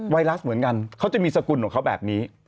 เหมือนกันเขาจะมีสกุลของเขาแบบนี้